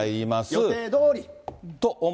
予定どおり。